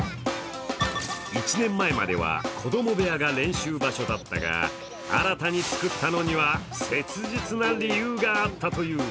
１年前までは子供部屋が練習場所だったが、新たに作ったのには、切実な理由があったという。